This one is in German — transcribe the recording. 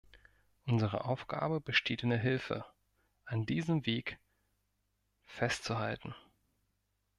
Unsere Aufgabe besteht in der Hilfe, an diesem Weg fest zu halten.